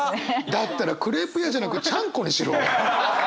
だったらクレープ屋じゃなくちゃんこにしろ！